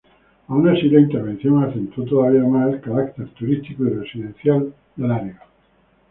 Aun así, la intervención acentuó todavía más el carácter turístico y residencial del área.